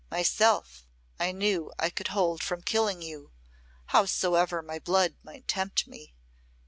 Myself, I knew, I could hold from killing you, howsoever my blood might tempt me.